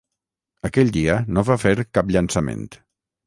Aquell dia, no va fer cap llançament.